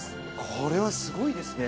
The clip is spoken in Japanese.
これはすごいですね。